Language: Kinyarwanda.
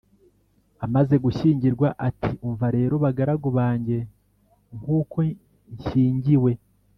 Amaze gushyingirwa ati: "Umva rero bagaragu banjye, nk'uko nshyingiwe